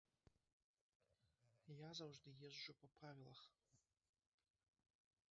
Я заўжды езджу па правілах.